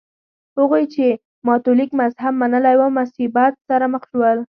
هغوی چې کاتولیک مذهب منلی و مصیبت سره مخ شول.